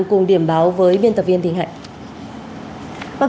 cùng điểm báo với viên tập viên thịnh hạnh